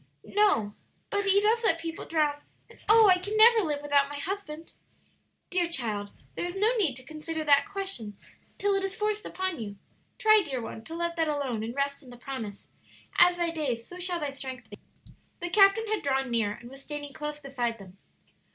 '" "No, but He does let people drown; and oh, I can never live without my husband!" "Dear child, there is no need to consider that question till it is forced upon you. Try, dear one, to let that alone, and rest in the promise, 'As thy days, so shall thy strength be.'" The captain had drawn near, and was standing close beside them.